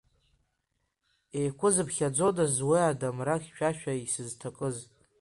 Еиқәызԥхьаӡодаз уи адамра хьшәашәа исызҭакыз…